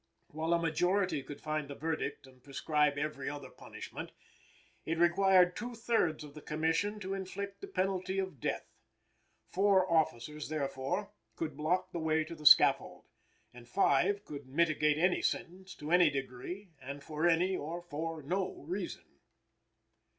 While a majority could find the verdict and prescribe every other punishment, it required two thirds of the Commission to inflict the penalty of death. Four officers, therefore, could block the way to the scaffold, and five could mitigate any sentence, to any degree, and for any, or for no reason.